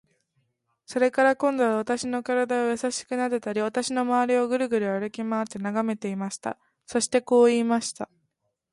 それから、今度は私の身体をやさしくなでたり、私のまわりをぐるぐる歩きまわって眺めていました。そしてこう言いました。